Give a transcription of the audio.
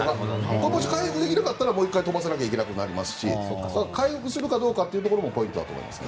回復できなかったらもう１回飛ばさないといけないし回復するかどうかもポイントだと思います。